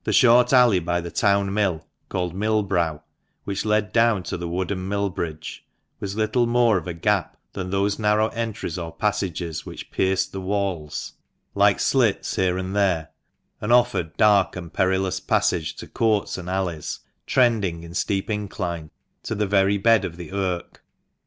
The short alley by the Town Mill, called Mill Brow, which led down to the wooden Mill Bridge, was little more of a gap than those narrow entries or passages which pierced the walls like fill tetii d O a UG Q H CO THE MANCHESTER MAN. 3 slits here and there, and offered dark and perilous passage to courts and alleys, trending in steep incline to the very bed of the Irk.